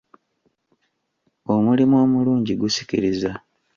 Omulimu omulungi gusikiriza.